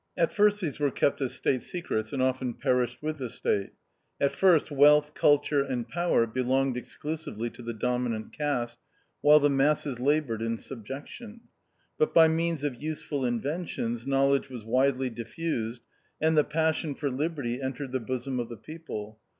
At first these were kept as state secrets, and often per ished with the state. At first wealth, culture, and power belonged exclusively to the dominant caste, while the masses laboured in subjection. But by means of useful inventions knowledge was widely diffused, and the passion for liberty entered the bosom of the people.